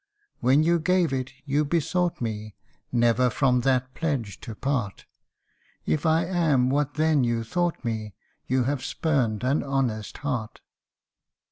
When you gave it, you besought me Never from that pledge to part : If I am what then you thought me, You have spurned an honest heart